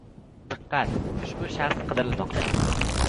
Diqqat, ushbu shaxs qidirilmoqda!